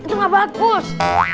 itu gak bagus